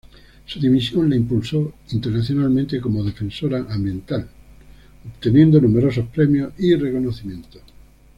Su dimisión la impulso internacionalmente como defensora ambiental obteniendo numerosos premios y reconocimientos.